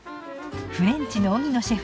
フレンチの荻野シェフ